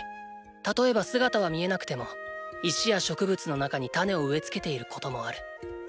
例えば姿は見えなくても石や植物の中に種を植え付けていることもある。